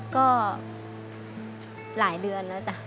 ก็หลายเดือนแล้วจ้ะ